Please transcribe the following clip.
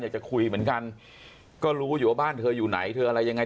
อยากจะคุยเหมือนกันก็รู้อยู่ว่าบ้านเธออยู่ไหนเธออะไรยังไง